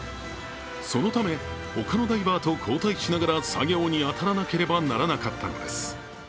そのため、他のダイバーと交代しながら作業に当たらなければならなかったのです。